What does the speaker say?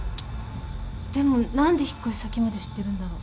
でもなんで引っ越し先まで知ってるんだろう？